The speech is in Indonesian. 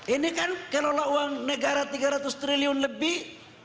ini kan kelola uang negara tiga ratus triliun lebih